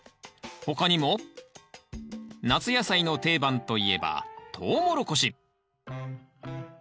他にも夏野菜の定番といえばトウモロコシ。